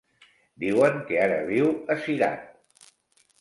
Diuen que ara viu a Cirat.